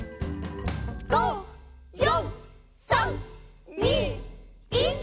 「５、４、３、２、１」